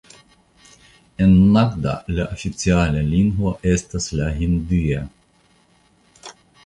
En Nagda la oficiala lingvo estas la hindia.